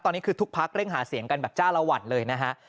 ตอนนี้คือทุกพักเร่งหาเสียงกันแบบจ้าละวันเลยนะฮะ